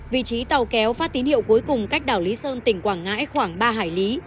vị trí tàu kéo phát tín hiệu cuối cùng cách đảo lý sơn tỉnh quảng ngãi khoảng ba hải lý